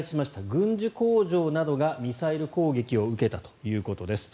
軍需工場などがミサイル攻撃を受けたということです。